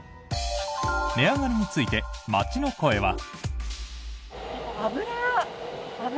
値上がりについて街の声は。